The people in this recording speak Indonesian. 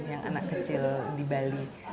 yang anak kecil di bali